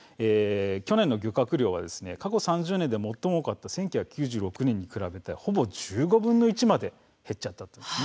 去年の漁獲量は過去３０年で最も多かった１９９６年に比べてほぼ１５分の１まで減りました。